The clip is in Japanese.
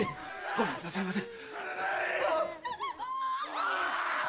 ごめんくださいませ。